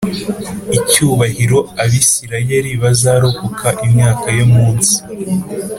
icyubahiro Abisirayeli bazarokoka imyaka yo munsi